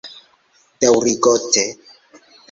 Daŭrigote